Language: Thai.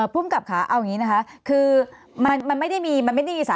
ผู้มกับค้าเอาอย่างนี้นะคะ